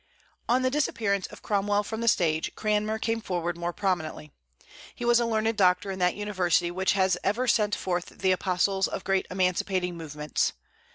On the disappearance of Cromwell from the stage, Cranmer came forward more prominently. He was a learned doctor in that university which has ever sent forth the apostles of great emancipating movements.